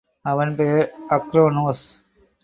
அவன் பெயர் அக்ரேனோஸ்.